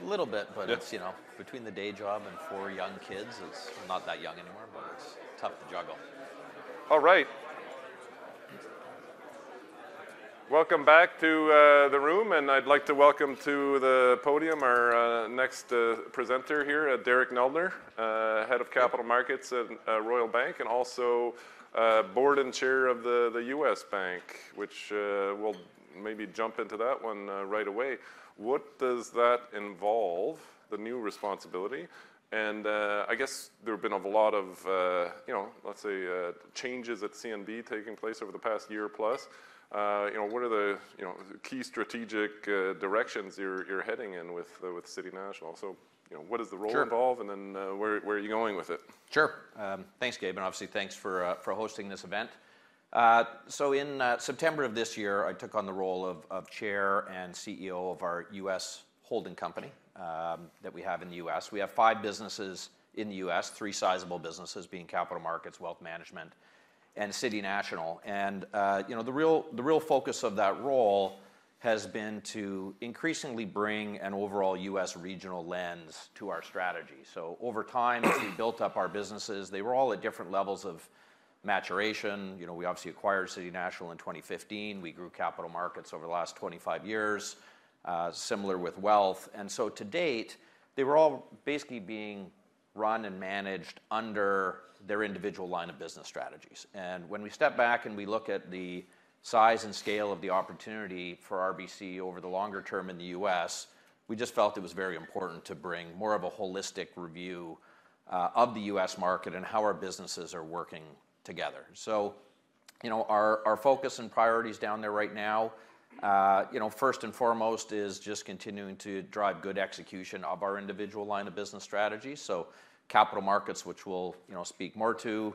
A little bit, but it's, you know, between the day job and four young kids. It's not that young anymore, but it's tough to juggle. All right. Welcome back to the room, and I'd like to welcome to the podium our next presenter here, Derek Neldner, Head of Capital Markets at Royal Bank and also Board and Chair of the U.S. Bank, which we'll maybe jump into that one right away. What does that involve, the new responsibility? And I guess there have been a lot of, you know, let's say, changes at CNB taking place over the past year plus. You know, what are the, you know, key strategic directions you're heading in with City National? So, you know, what does the role involve, and then where are you going with it? Sure. Thanks, Gabe, and obviously thanks for hosting this event. So in September of this year, I took on the role of Chair and CEO of our U.S. holding company that we have in the U.S. We have five businesses in the U.S., three sizable businesses being Capital Markets, Wealth Management, and City National. And, you know, the real focus of that role has been to increasingly bring an overall U.S. regional lens to our strategy. So over time, as we built up our businesses, they were all at different levels of maturation. You know, we obviously acquired City National in 2015. We grew Capital Markets over the last 25 years, similar with Wealth. And so to date, they were all basically being run and managed under their individual line of business strategies. When we step back and we look at the size and scale of the opportunity for RBC over the longer term in the U.S., we just felt it was very important to bring more of a holistic review of the U.S. market and how our businesses are working together. You know, our focus and priorities down there right now, you know, first and foremost is just continuing to drive good execution of our individual line of business strategy. Capital Markets, which we'll, you know, speak more to,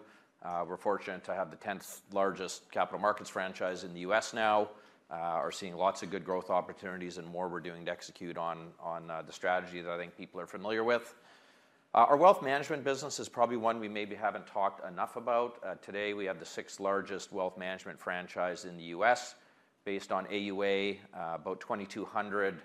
we're fortunate to have the 10th largest Capital Markets franchise in the U.S. now, are seeing lots of good growth opportunities, and more we're doing to execute on the strategy that I think people are familiar with. Our Wealth Management business is probably one we maybe haven't talked enough about. Today, we have the 6th largest Wealth Management franchise in the U.S., based on AUA, about 2,200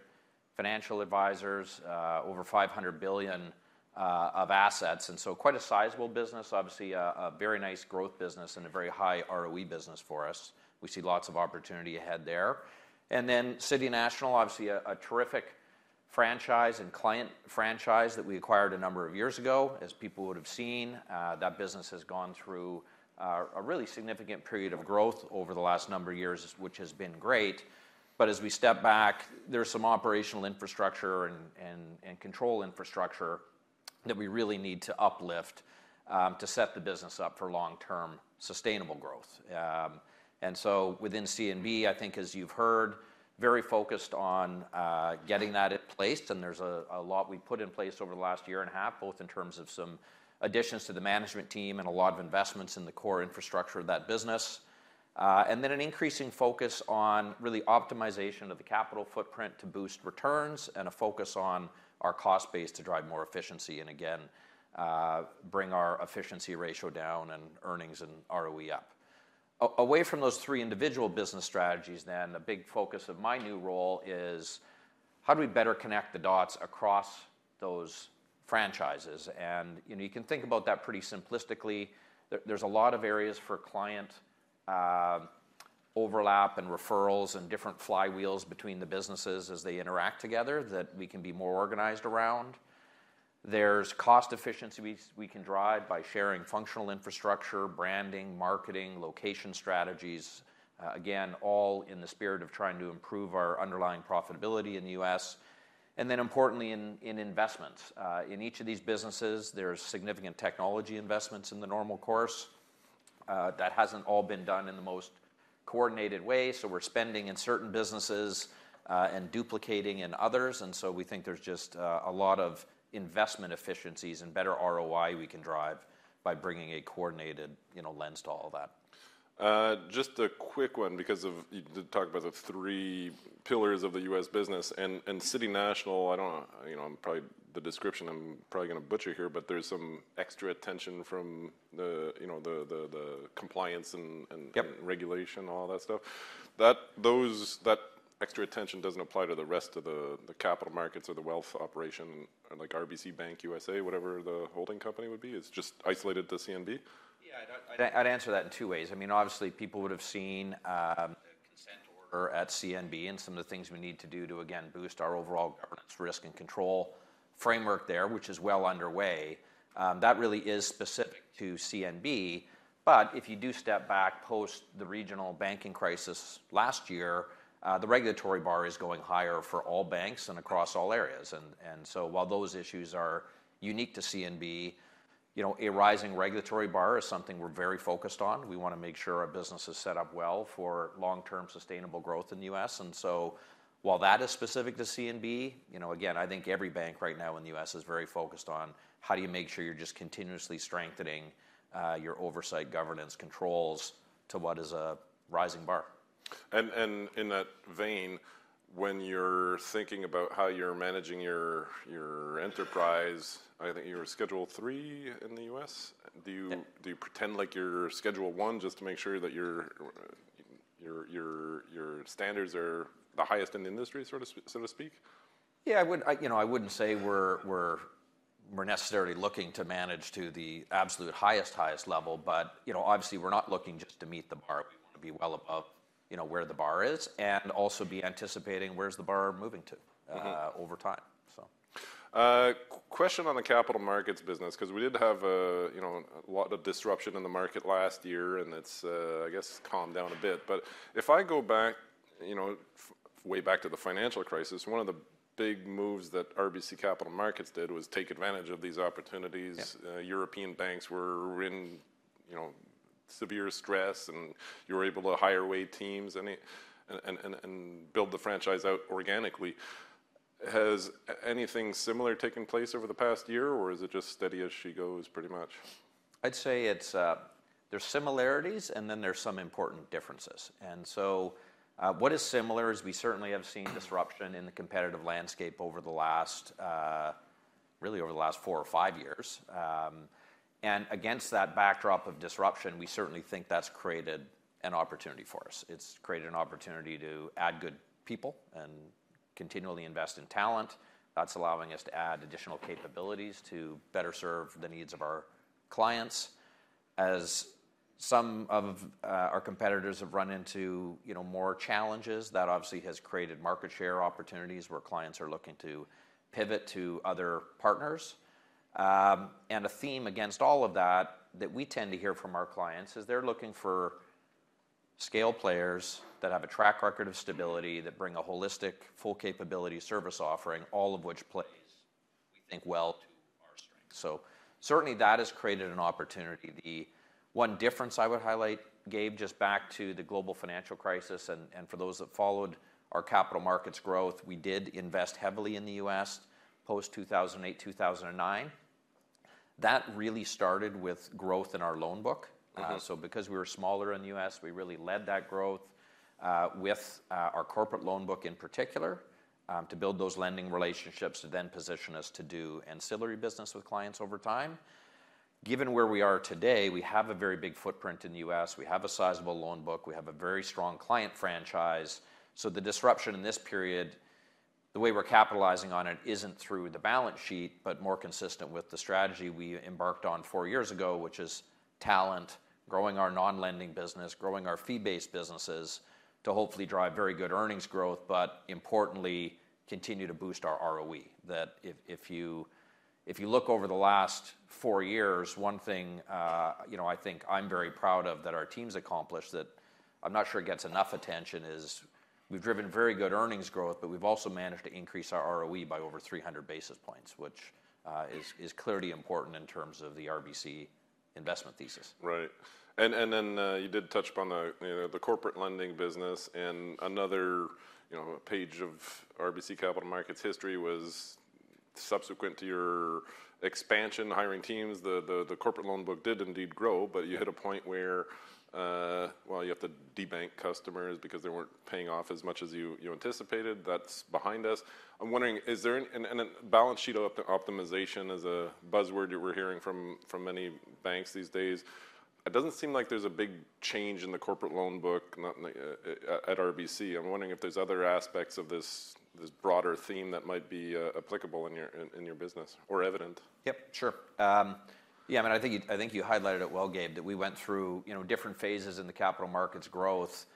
financial advisors, over $500 billion of assets. And so quite a sizable business, obviously a very nice growth business and a very high ROE business for us. We see lots of opportunity ahead there. And then City National, obviously a terrific franchise and client franchise that we acquired a number of years ago. As people would have seen, that business has gone through a really significant period of growth over the last number of years, which has been great. But as we step back, there's some operational infrastructure and control infrastructure that we really need to uplift to set the business up for long-term sustainable growth. And so within CNB, I think, as you've heard, very focused on getting that in place. There's a lot we put in place over the last year and a half, both in terms of some additions to the management team and a lot of investments in the core infrastructure of that business, and then an increasing focus on really optimization of the capital footprint to boost returns and a focus on our cost base to drive more efficiency and, again, bring our efficiency ratio down and earnings and ROE up. Away from those three individual business strategies, a big focus of my new role is how do we better connect the dots across those franchises? You know, you can think about that pretty simplistically. There's a lot of areas for client overlap and referrals and different flywheels between the businesses as they interact together that we can be more organized around. There's cost efficiency we can drive by sharing functional infrastructure, branding, marketing, location strategies, again, all in the spirit of trying to improve our underlying profitability in the U.S. And then, importantly, in investments. In each of these businesses, there's significant technology investments in the normal course. That hasn't all been done in the most coordinated way. So we're spending in certain businesses and duplicating in others. And so we think there's just a lot of investment efficiencies and better ROI we can drive by bringing a coordinated, you know, lens to all of that. Just a quick one, because you talked about the three pillars of the U.S. business. City National, I don't know, you know, I'm probably going to butcher the description here, but there's some extra attention from the, you know, the compliance and regulation and all that stuff. That extra attention doesn't apply to the rest of the Capital Markets or the Wealth Operation, like RBC Bank USA, whatever the holding company would be? It's just isolated to CNB? Yeah, I'd answer that in two ways. I mean, obviously, people would have seen the consent order at CNB and some of the things we need to do to, again, boost our overall governance, risk, and control framework there, which is well underway. That really is specific to CNB. But if you do step back post the regional banking crisis last year, the regulatory bar is going higher for all banks and across all areas. And so while those issues are unique to CNB, you know, a rising regulatory bar is something we're very focused on. We want to make sure our business is set up well for long-term sustainable growth in the U.S. And so while that is specific to CNB, you know, again, I think every bank right now in the U.S. is very focused on how do you make sure you're just continuously strengthening your oversight, governance, controls to what is a rising bar. In that vein, when you're thinking about how you're managing your enterprise, I think you were Schedule III in the U.S. Do you pretend like you're Schedule I just to make sure that your standards are the highest in the industry, so to speak? Yeah, I wouldn't, you know, I wouldn't say we're necessarily looking to manage to the absolute highest, highest level. But, you know, obviously, we're not looking just to meet the bar. We want to be well above, you know, where the bar is and also be anticipating where's the bar moving to over time, so. Question on the Capital Markets business, because we did have, you know, a lot of disruption in the market last year, and it's, I guess, calmed down a bit. But if I go back, you know, way back to the financial crisis, one of the big moves that RBC Capital Markets did was take advantage of these opportunities. European banks were in, you know, severe stress, and you were able to hire whole teams and build the franchise out organically. Has anything similar taken place over the past year, or is it just steady as she goes, pretty much? I'd say there are similarities, and then there are some important differences. What is similar is we certainly have seen disruption in the competitive landscape over the last really, over the last four or five years. Against that backdrop of disruption, we certainly think that's created an opportunity for us. It's created an opportunity to add good people and continually invest in talent. That's allowing us to add additional capabilities to better serve the needs of our clients. As some of our competitors have run into, you know, more challenges, that obviously has created market share opportunities where clients are looking to pivot to other partners. And a theme against all of that that we tend to hear from our clients is they're looking for scale players that have a track record of stability, that bring a holistic, full capability service offering, all of which plays, we think, well to our strengths. So certainly, that has created an opportunity. The one difference I would highlight, Gabe, just back to the global financial crisis and for those that followed our Capital Markets growth, we did invest heavily in the U.S. post-2008, 2009. That really started with growth in our loan book. So because we were smaller in the U.S., we really led that growth with our corporate loan book in particular to build those lending relationships to then position us to do ancillary business with clients over time. Given where we are today, we have a very big footprint in the U.S. We have a sizable loan book. We have a very strong client franchise. So the disruption in this period, the way we're capitalizing on it isn't through the balance sheet, but more consistent with the strategy we embarked on four years ago, which is talent, growing our non-lending business, growing our fee-based businesses to hopefully drive very good earnings growth, but importantly, continue to boost our ROE. That, if you look over the last four years, one thing, you know, I think I'm very proud of that our team's accomplished that I'm not sure it gets enough attention is we've driven very good earnings growth, but we've also managed to increase our ROE by over 300 basis points, which is clearly important in terms of the RBC investment thesis. Right. And then you did touch upon, you know, the corporate lending business. And another, you know, page of RBC Capital Markets history was subsequent to your expansion, hiring teams. The corporate loan book did indeed grow, but you hit a point where, well, you have to debank customers because they weren't paying off as much as you anticipated. That's behind us. I'm wondering, is there, and balance sheet optimization is a buzzword that we're hearing from many banks these days. It doesn't seem like there's a big change in the corporate loan book at RBC. I'm wondering if there's other aspects of this broader theme that might be applicable in your business or evident. Yep, sure. Yeah, I mean, I think you highlighted it well, Gabe, that we went through, you know, different phases in the capital markets growth.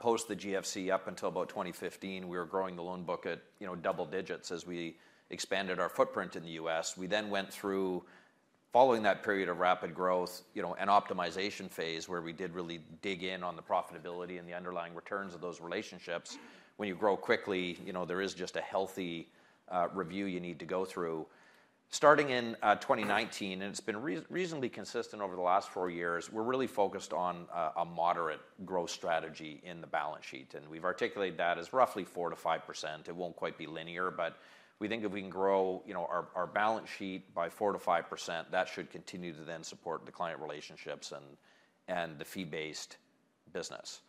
Post the GFC, up until about 2015, we were growing the loan book at, you know, double digits as we expanded our footprint in the U.S. We then went through, following that period of rapid growth, you know, an optimization phase where we did really dig in on the profitability and the underlying returns of those relationships. When you grow quickly, you know, there is just a healthy review you need to go through. Starting in 2019, and it's been reasonably consistent over the last four years, we're really focused on a moderate growth strategy in the balance sheet. And we've articulated that as roughly 4%-5%. It won't quite be linear, but we think if we can grow, you know, our balance sheet by 4%-5%, that should continue to then support the client relationships and the fee-based business.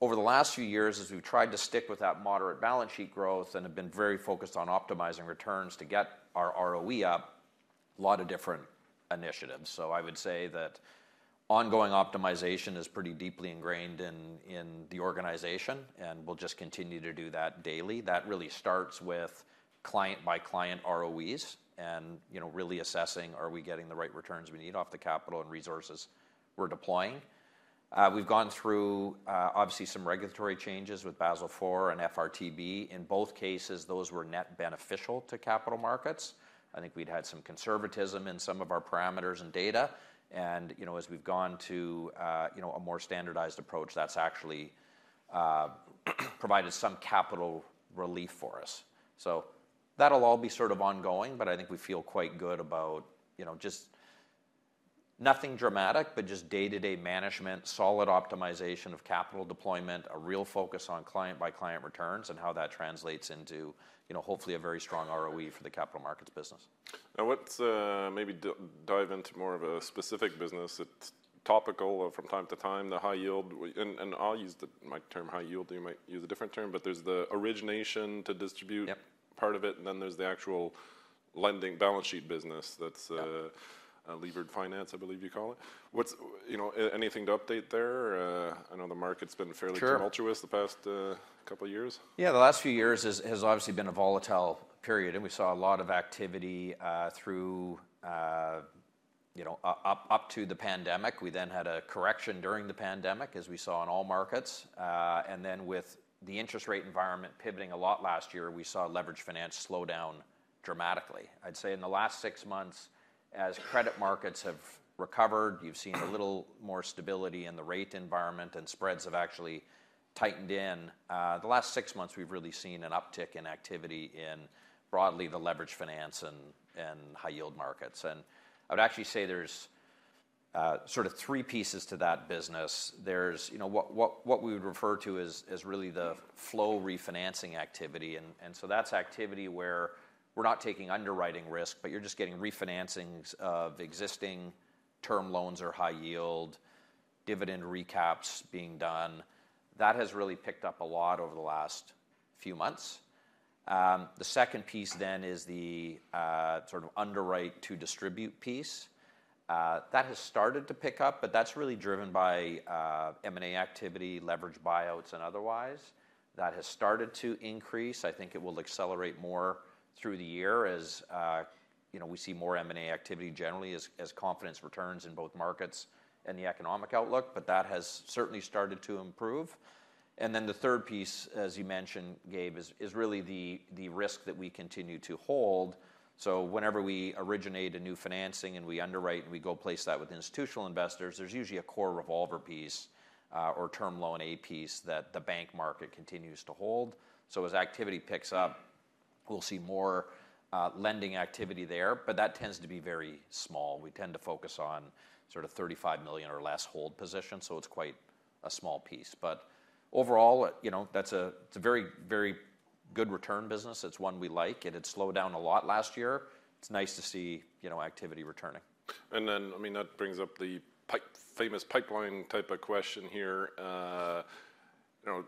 Over the last few years, as we've tried to stick with that moderate balance sheet growth and have been very focused on optimizing returns to get our ROE up, a lot of different initiatives. So I would say that ongoing optimization is pretty deeply ingrained in the organization, and we'll just continue to do that daily. That really starts with client-by-client ROEs and, you know, really assessing, are we getting the right returns we need off the capital and resources we're deploying? We've gone through, obviously, some regulatory changes with Basel IV and FRTB. In both cases, those were net beneficial to capital markets. I think we'd had some conservatism in some of our parameters and data. You know, as we've gone to, you know, a more standardized approach, that's actually provided some capital relief for us. That'll all be sort of ongoing, but I think we feel quite good about, you know, just nothing dramatic, but just day-to-day management, solid optimization of capital deployment, a real focus on client-by-client returns and how that translates into, you know, hopefully a very strong ROE for the Capital Markets business. Now, let's maybe dive into more of a specific business that's topical from time to time, the high yield. And I'll use my term high yield. You might use a different term, but there's the origination to distribute part of it, and then there's the actual lending balance sheet business that's levered finance, I believe you call it. What's, you know, anything to update there? I know the market's been fairly tumultuous the past couple of years. Sure. Yeah, the last few years has obviously been a volatile period, and we saw a lot of activity through, you know, up to the pandemic. We then had a correction during the pandemic, as we saw in all markets. And then with the interest rate environment pivoting a lot last year, we saw leveraged finance slow down dramatically. I'd say in the last six months, as credit markets have recovered, you've seen a little more stability in the rate environment, and spreads have actually tightened in. The last 6 months, we've really seen an uptick in activity in broadly the leveraged finance and high-yield markets. And I would actually say there's sort of three pieces to that business. There's, you know, what we would refer to as really the flow refinancing activity. And so that's activity where we're not taking underwriting risk, but you're just getting refinancings of existing term loans or high-yield dividend recaps being done. That has really picked up a lot over the last few months. The second piece, then, is the sort of underwrite-to-distribute piece. That has started to pick up, but that's really driven by M&A activity, leveraged buyouts, and otherwise. That has started to increase. I think it will accelerate more through the year as, you know, we see more M&A activity generally as confidence returns in both markets and the economic outlook. But that has certainly started to improve. And then the third piece, as you mentioned, Gabe, is really the risk that we continue to hold. So whenever we originate a new financing and we underwrite and we go place that with institutional investors, there's usually a core revolver piece or Term Loan A piece that the bank market continues to hold. So as activity picks up, we'll see more lending activity there, but that tends to be very small. We tend to focus on sort of $35 million or less hold positions, so it's quite a small piece. But overall, you know, that's a very, very good return business. It's one we like, and it slowed down a lot last year. It's nice to see, you know, activity returning. Then, I mean, that brings up the famous pipeline type of question here. You know,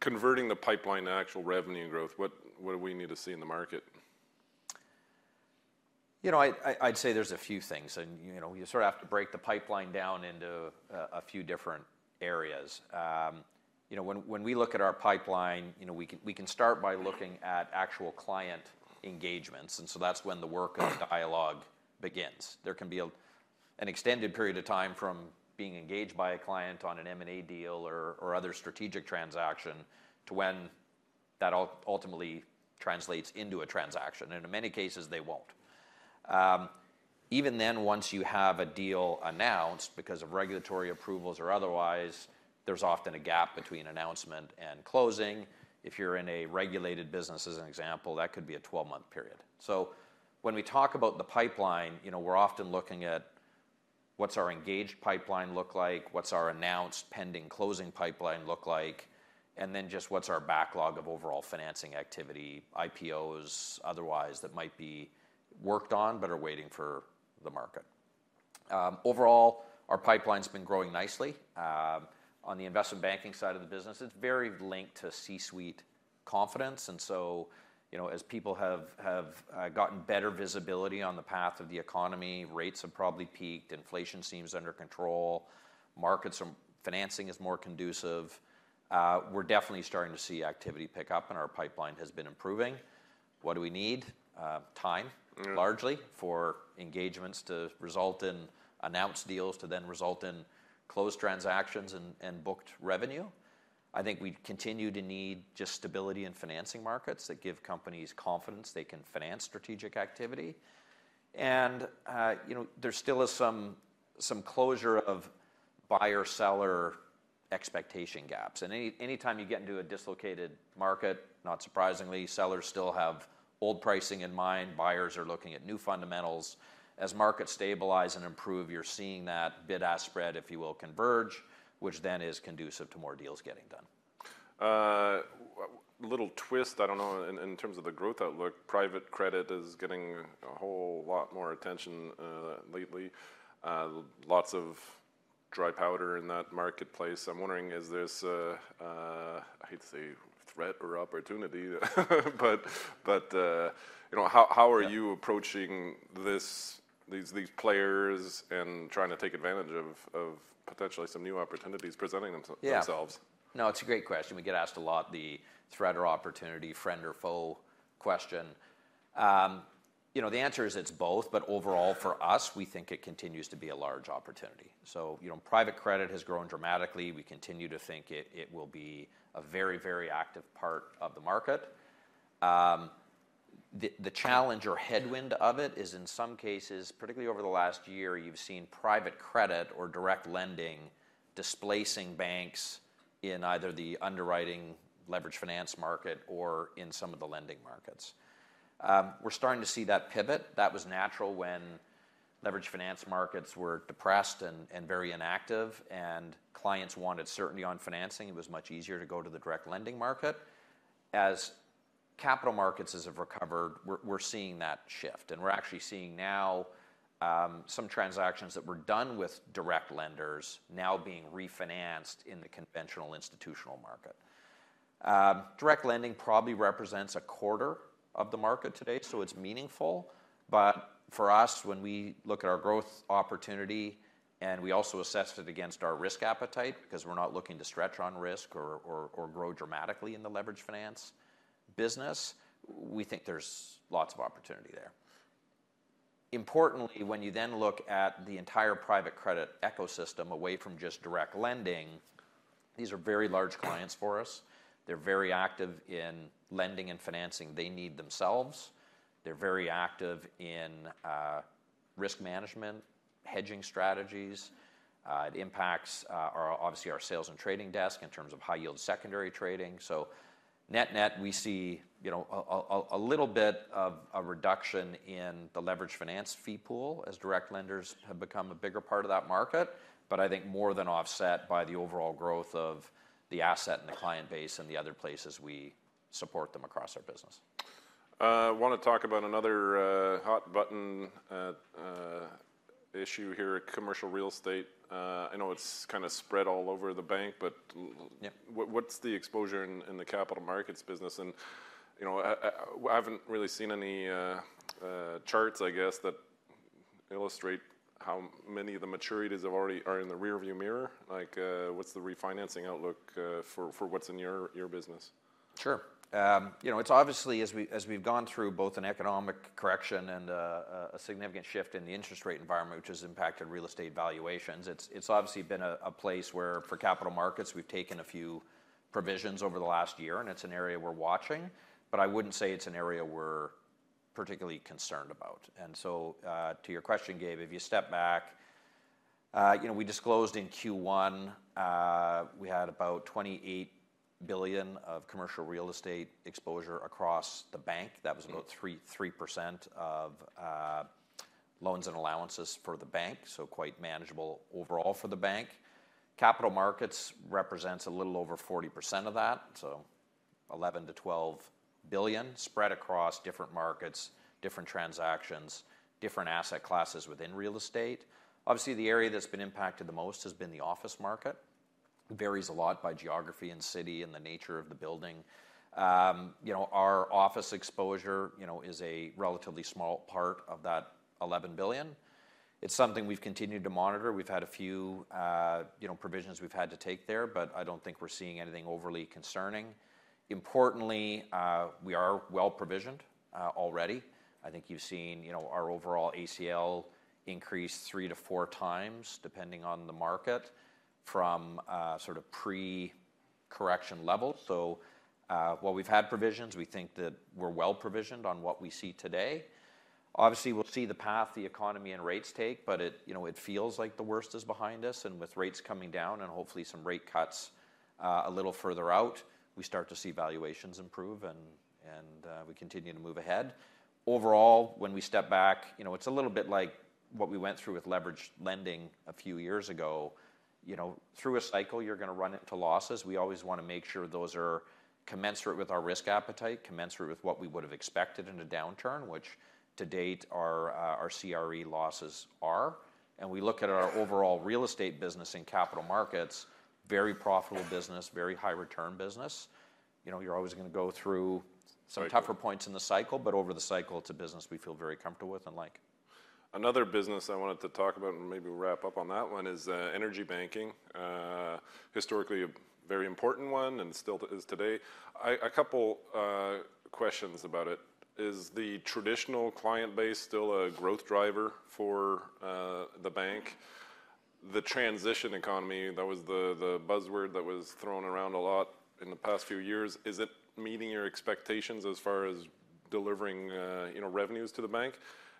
converting the pipeline to actual revenue growth, what do we need to see in the market? You know, I'd say there's a few things. And, you know, you sort of have to break the pipeline down into a few different areas. You know, when we look at our pipeline, you know, we can start by looking at actual client engagements. And so that's when the work of dialogue begins. There can be an extended period of time from being engaged by a client on an M&A deal or other strategic transaction to when that ultimately translates into a transaction. And in many cases, they won't. Even then, once you have a deal announced because of regulatory approvals or otherwise, there's often a gap between announcement and closing. If you're in a regulated business, as an example, that could be a 12-month period. So when we talk about the pipeline, you know, we're often looking at what's our engaged pipeline look like, what's our announced pending closing pipeline look like, and then just what's our backlog of overall financing activity, IPOs otherwise that might be worked on but are waiting for the market. Overall, our pipeline's been growing nicely. On the investment banking side of the business, it's very linked to C-suite confidence. And so, you know, as people have gotten better visibility on the path of the economy, rates have probably peaked, inflation seems under control, financing is more conducive, we're definitely starting to see activity pick up, and our pipeline has been improving. What do we need? Time, largely, for engagements to result in announced deals to then result in closed transactions and booked revenue. I think we continue to need just stability in financing markets that give companies confidence they can finance strategic activity. And, you know, there still is some closure of buyer-seller expectation gaps. And anytime you get into a dislocated market, not surprisingly, sellers still have old pricing in mind. Buyers are looking at new fundamentals. As markets stabilize and improve, you're seeing that bid-ask spread, if you will, converge, which then is conducive to more deals getting done. Little twist, I don't know, in terms of the growth outlook. Private credit is getting a whole lot more attention lately. Lots of dry powder in that marketplace. I'm wondering, there's, I hate to say, threat or opportunity? But, you know, how are you approaching these players and trying to take advantage of potentially some new opportunities presenting themselves? Yeah. No, it's a great question. We get asked a lot the threat or opportunity, friend or foe question. You know, the answer is it's both, but overall, for us, we think it continues to be a large opportunity. So, you know, private credit has grown dramatically. We continue to think it will be a very, very active part of the market. The challenge or headwind of it is, in some cases, particularly over the last year, you've seen private credit or direct lending displacing banks in either the underwriting leveraged finance market or in some of the lending markets. We're starting to see that pivot. That was natural when leveraged finance markets were depressed and very inactive, and clients wanted certainty on financing. It was much easier to go to the direct lending market. As capital markets have recovered, we're seeing that shift. We're actually seeing now some transactions that were done with direct lenders now being refinanced in the conventional institutional market. Direct lending probably represents a quarter of the market today, so it's meaningful. But for us, when we look at our growth opportunity and we also assess it against our risk appetite because we're not looking to stretch on risk or grow dramatically in the leveraged finance business, we think there's lots of opportunity there. Importantly, when you then look at the entire private credit ecosystem away from just direct lending, these are very large clients for us. They're very active in lending and financing they need themselves. They're very active in risk management, hedging strategies. It impacts, obviously, our sales and trading desk in terms of high-yield secondary trading. So net-net, we see, you know, a little bit of a reduction in the leveraged finance fee pool as direct lenders have become a bigger part of that market, but I think more than offset by the overall growth of the asset and the client base and the other places we support them across our business. I want to talk about another hot-button issue here at Commercial Real Estate. I know it's kind of spread all over the bank, but what's the exposure in the Capital Markets business? And, you know, I haven't really seen any charts, I guess, that illustrate how many of the maturities already are in the rearview mirror. Like, what's the refinancing outlook for what's in your business? Sure. You know, it's obviously, as we've gone through both an economic correction and a significant shift in the interest rate environment, which has impacted real estate valuations, it's obviously been a place where, for Capital Markets, we've taken a few provisions over the last year, and it's an area we're watching. But I wouldn't say it's an area we're particularly concerned about. So to your question, Gabe, if you step back, you know, we disclosed in Q1 we had about $28 billion of commercial real estate exposure across the bank. That was about 3% of loans and allowances for the bank, so quite manageable overall for the bank. Capital Markets represents a little over 40% of that, so $11-$12 billion spread across different markets, different transactions, different asset classes within real estate. Obviously, the area that's been impacted the most has been the office market. It varies a lot by geography and city and the nature of the building. You know, our office exposure, you know, is a relatively small part of that 11 billion. It's something we've continued to monitor. We've had a few, you know, provisions we've had to take there, but I don't think we're seeing anything overly concerning. Importantly, we are well-provisioned already. I think you've seen, you know, our overall ACL increase three to four times, depending on the market, from sort of pre-correction levels. So while we've had provisions, we think that we're well-provisioned on what we see today. Obviously, we'll see the path the economy and rates take, but it, you know, it feels like the worst is behind us. With rates coming down and hopefully some rate cuts a little further out, we start to see valuations improve, and we continue to move ahead. Overall, when we step back, you know, it's a little bit like what we went through with leveraged lending a few years ago. You know, through a cycle, you're going to run into losses. We always want to make sure those are commensurate with our risk appetite, commensurate with what we would have expected in a downturn, which to date our CRE losses are. And we look at our overall real estate business in capital markets, very profitable business, very high-return business. You know, you're always going to go through some tougher points in the cycle, but over the cycle, it's a business we feel very comfortable with and like. Another business I wanted to talk about and maybe wrap up on that one is energy banking, historically a very important one and still is today. A couple questions about it. Is the traditional client base still a growth driver for the bank? The transition economy, that was the buzzword that was thrown around a lot in the past few years, is it meeting your expectations as far as delivering, you know, revenues to the bank?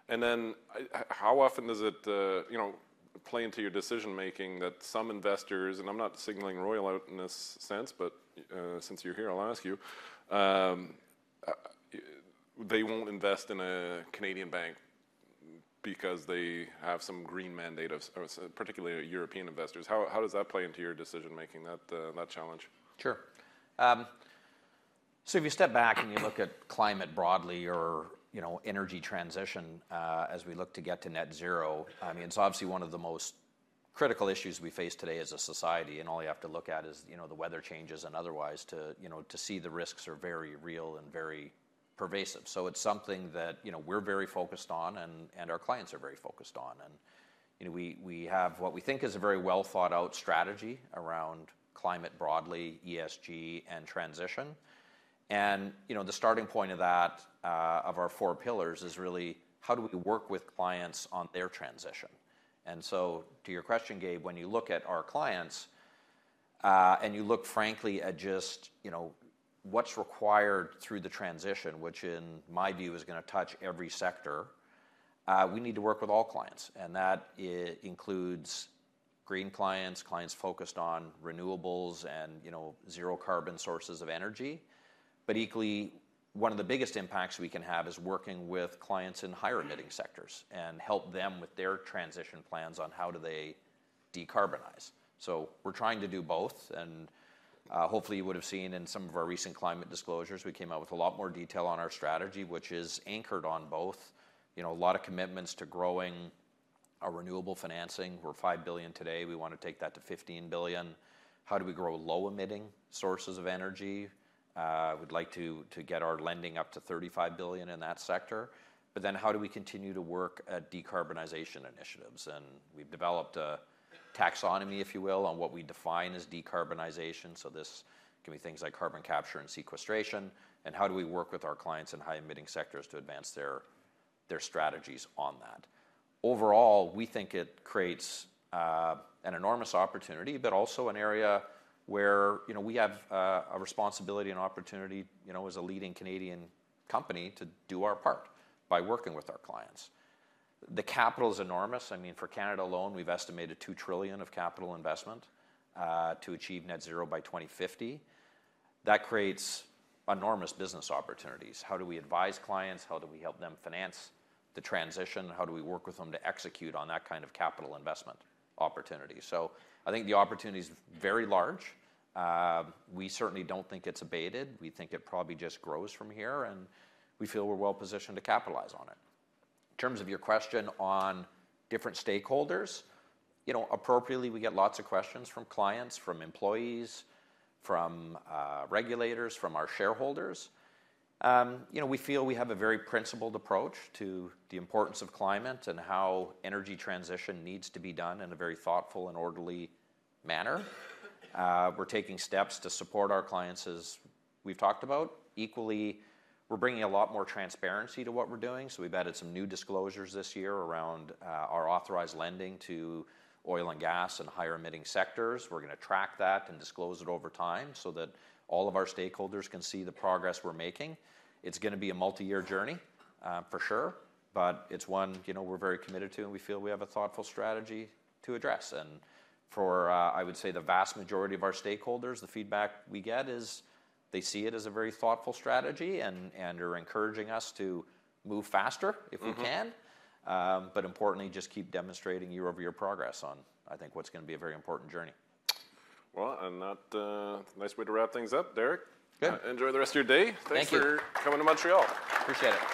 And then how often does it, you know, play into your decision-making that some investors and I'm not signaling Royal out in this sense, but since you're here, I'll ask you they won't invest in a Canadian bank because they have some green mandate, particularly European investors. How does that play into your decision-making, that challenge? Sure. So if you step back and you look at climate broadly or, you know, energy transition as we look to get to net zero, I mean, it's obviously one of the most critical issues we face today as a society. And all you have to look at is, you know, the weather changes and otherwise, to, you know, see the risks are very real and very pervasive. So it's something that, you know, we're very focused on and our clients are very focused on. And, you know, we have what we think is a very well-thought-out strategy around climate broadly, ESG, and transition. And, you know, the starting point of that, of our four pillars, is really how do we work with clients on their transition? So to your question, Gabe, when you look at our clients and you look, frankly, at just, you know, what's required through the transition, which, in my view, is going to touch every sector, we need to work with all clients. And that includes green clients, clients focused on renewables and, you know, zero-carbon sources of energy. But equally, one of the biggest impacts we can have is working with clients in higher-emitting sectors and help them with their transition plans on how do they decarbonize. So we're trying to do both. And hopefully, you would have seen in some of our recent climate disclosures, we came out with a lot more detail on our strategy, which is anchored on both, you know, a lot of commitments to growing our renewable financing. We're 5 billion today. We want to take that to 15 billion. How do we grow low-emitting sources of energy? We'd like to get our lending up to 35 billion in that sector. But then how do we continue to work at decarbonization initiatives? And we've developed a taxonomy, if you will, on what we define as decarbonization. So this can be things like carbon capture and sequestration. And how do we work with our clients in high-emitting sectors to advance their strategies on that? Overall, we think it creates an enormous opportunity, but also an area where, you know, we have a responsibility and opportunity, you know, as a leading Canadian company to do our part by working with our clients. The capital is enormous. I mean, for Canada alone, we've estimated 2 trillion of capital investment to achieve net zero by 2050. That creates enormous business opportunities. How do we advise clients? How do we help them finance the transition? How do we work with them to execute on that kind of capital investment opportunity? So I think the opportunity is very large. We certainly don't think it's abated. We think it probably just grows from here, and we feel we're well-positioned to capitalize on it. In terms of your question on different stakeholders, you know, appropriately, we get lots of questions from clients, from employees, from regulators, from our shareholders. You know, we feel we have a very principled approach to the importance of climate and how energy transition needs to be done in a very thoughtful and orderly manner. We're taking steps to support our clients as we've talked about. Equally, we're bringing a lot more transparency to what we're doing. So we've added some new disclosures this year around our authorized lending to oil and gas and higher-emitting sectors. We're going to track that and disclose it over time so that all of our stakeholders can see the progress we're making. It's going to be a multiyear journey, for sure, but it's one, you know, we're very committed to, and we feel we have a thoughtful strategy to address. And for, I would say, the vast majority of our stakeholders, the feedback we get is they see it as a very thoughtful strategy and are encouraging us to move faster if we can, but importantly, just keep demonstrating year-over-year progress on, I think, what's going to be a very important journey. Well, and that's a nice way to wrap things up, Derek. Good. Enjoy the rest of your day. Thank you. Thanks for coming to Montreal. Appreciate it.